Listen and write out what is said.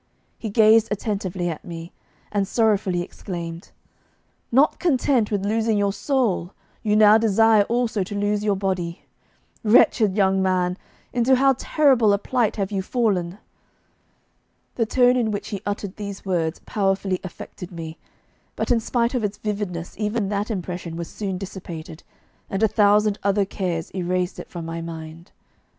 He gazed attentively at me, and sorrowfully exclaimed: 'Not content with losing your soul, you now desire also to lose your body. Wretched young man, into how terrible a plight have you fallen!' The tone in which he uttered these words powerfully affected me, but in spite of its vividness even that impression was soon dissipated, and a thousand other cares erased it from my mind.